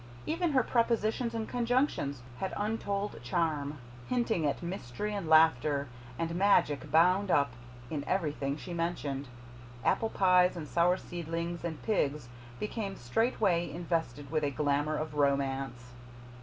Even her prepositions and conjunctions had untold charm, hinting at mystery and laughter and magic bound up in everything she mentioned. Apple pies and sour seedlings and pigs became straightway invested with a glamour of romance.